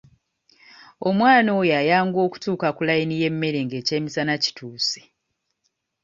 Omwana oyo ayanguwa okutuuka ku layini y'emmere ng'ekyemisana kituuse.